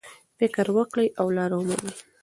فکر وکړئ او لاره ومومئ.